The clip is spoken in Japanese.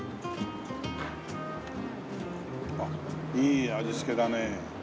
あっいい味付けだね。